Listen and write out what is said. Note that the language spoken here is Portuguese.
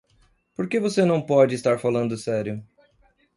Por que você não pode estar falando sério?